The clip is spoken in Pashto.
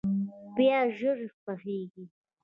پیاز ژر پخیږي